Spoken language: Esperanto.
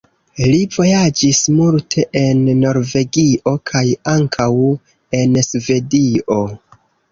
Li vojaĝis multe en Norvegio kaj ankaŭ en Svedio.